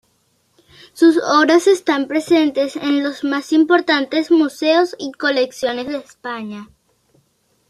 Sus obras están presentes en los más importantes museos y colecciones de España.